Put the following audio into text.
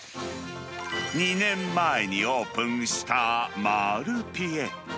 ２年前にオープンしたマルピエ。